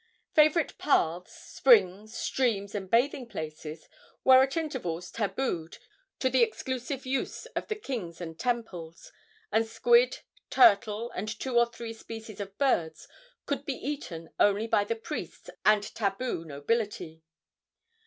Favorite paths, springs, streams and bathing places were at intervals tabued to the exclusive use of the kings and temples, and squid, turtle, and two or three species of birds could be eaten only by the priests and tabu nobility.